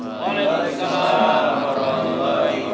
waalaikumsalam warahmatullahi wabarakatuh